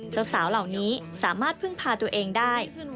สาวเหล่านี้สามารถพึ่งพาตัวเองได้